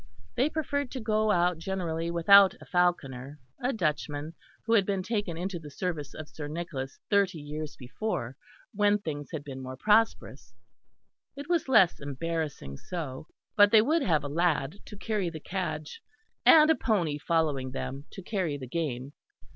They preferred to go out generally without the falconer, a Dutchman, who had been taken into the service of Sir Nicholas thirty years before when things had been more prosperous; it was less embarrassing so; but they would have a lad to carry the "cadge," and a pony following them to carry the game.